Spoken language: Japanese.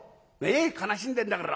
悲しんでんだから。